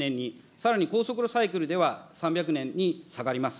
さらに高速炉サイクルでは３００年に下がります。